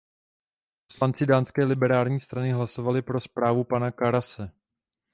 Poslanci dánské liberální strany hlasovali pro zprávu pana Karase.